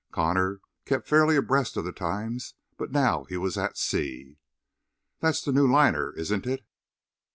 Connor kept fairly abreast of the times, but now he was at sea. "That's the new liner, isn't it?"